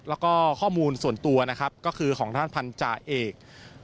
แล้วก็ข้อมูลส่วนตัวนะครับก็คือของท่านพันธาเอก